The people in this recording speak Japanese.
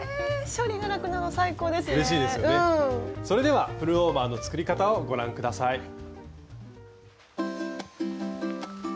それではプルオーバーの作り方をご覧下さい。